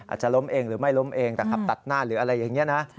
อาจจะล้มเองหรือไม่ล้มเองแต่ขับตัดหน้าหรืออะไรอย่างนี้นะ